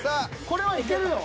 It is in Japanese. これはいけるよ。